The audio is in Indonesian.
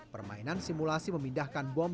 permainan simulasi memindahkan bom